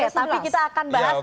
tapi kita akan bahas